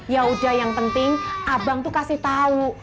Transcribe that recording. yaudah yang penting abang tuh kasih tahu